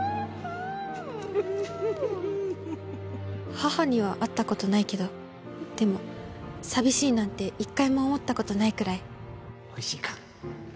母には会ったことないけどでも寂しいなんて１回も思ったことないくらいおいしいか？